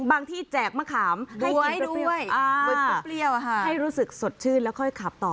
ที่แจกมะขามให้กินด้วยเปรี้ยวให้รู้สึกสดชื่นแล้วค่อยขับต่อ